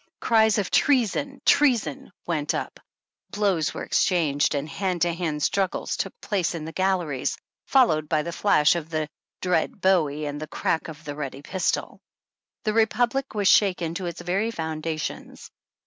Cries of treason ! treason ! went up ; blows were exchanged and hand to hand struggles took place in the galleries, followed by the flash of the dread bowie and the crack of the ready pistol. The Republic was shaken to its very foundations.